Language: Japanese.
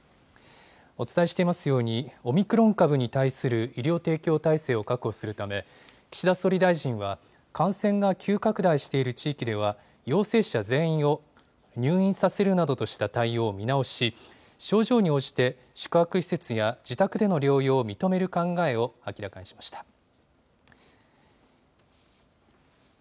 お伝えしていますように、オミクロン株に対する医療提供体制を確保するため、岸田総理大臣は、感染が急拡大している地域では、陽性者全員を入院させるなどとした対応を見直し、症状に応じて宿泊施設や自宅での療養を認める考えを明らかにしました。